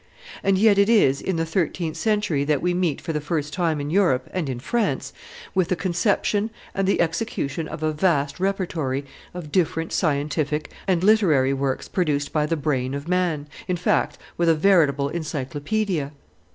And yet it is in the thirteenth century that we meet for the first time in Europe and in France with the conception and the execution of a vast repertory of different scientific and literary works produced by the brain of man, in fact with a veritable Encyclopaedia.